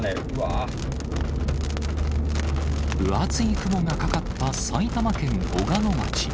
分厚い雲がかかった埼玉県小鹿野町。